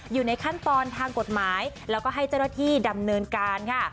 อยู่ในขั้นตอนทางกฎหมายแล้วก็ให้เจ้าหน้าที่ดำเนินการค่ะ